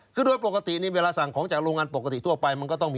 คือด้วยปกตินี่เวลาสั่งของจากโรงงานปกติทั่วไป